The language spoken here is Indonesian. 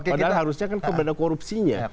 padahal harusnya kan kepada korupsinya